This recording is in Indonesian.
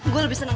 gue lebih seneng